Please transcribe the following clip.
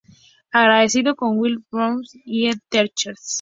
Apareció en "Will and Grace", y en "Teachers".